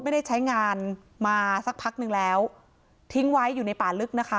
ไม่ได้ใช้งานมาสักพักนึงแล้วทิ้งไว้อยู่ในป่าลึกนะคะ